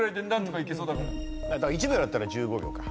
１秒だったら１５秒か。